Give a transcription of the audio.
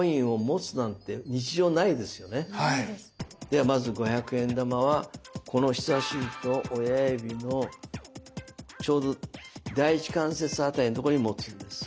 ではまず５００円玉はこの人差し指と親指のちょうど第一関節辺りのとこに持つんです。